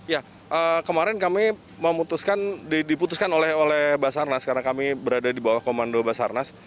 ya kemarin kami memutuskan diputuskan oleh basarnas karena kami berada di bawah komando basarnas